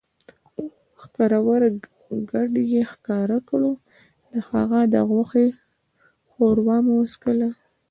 ښکرور ګډ ئې ښکار کړو، د هغه د غوښې ښوروا مو وڅښله